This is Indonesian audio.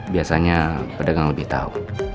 biasanya pedagang lebih tau